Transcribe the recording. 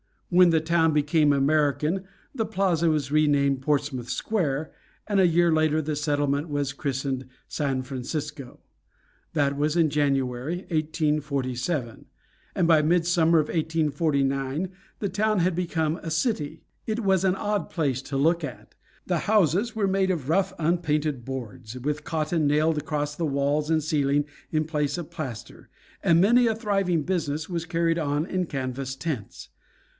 When the town became American the Plaza was renamed Portsmouth Square, and a year later the settlement was christened San Francisco. That was in January, 1847; and by midsummer of 1849 the town had become a city. It was an odd place to look at. The houses were made of rough unpainted boards, with cotton nailed across the walls and ceiling in place of plaster; and many a thriving business was carried on in canvas tents.